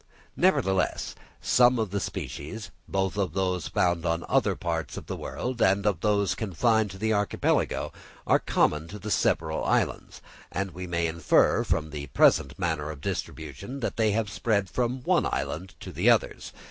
Nevertheless, some of the species, both of those found in other parts of the world and of those confined to the archipelago, are common to the several islands; and we may infer from the present manner of distribution that they have spread from one island to the others.